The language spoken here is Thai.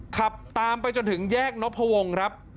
ขับตามไปจนถึงแยกนพวงครับ